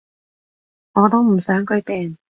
我都唔想佢病